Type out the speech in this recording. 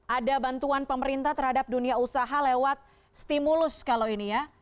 ada bantuan pemerintah terhadap dunia usaha lewat stimulus kalau ini ya